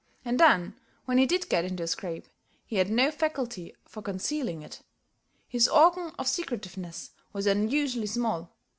And then, when he did get into a scrape, he had no faculty for concealing it. His organ of secretiveness was unusually small.